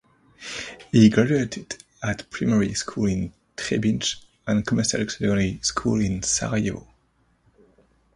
He graduated at primary school in Trebinje and commercial secondary school in Sarajevo.